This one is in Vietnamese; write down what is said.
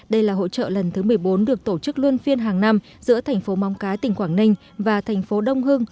đây là hội trợ lần thứ một mươi bốn được tổ chức luôn phiên hàng năm giữa thành phố móng cái tỉnh quảng ninh và thành phố đông hưng